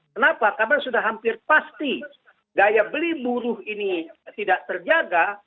kenapa karena sudah hampir pasti daya beli buruh ini tidak terjaga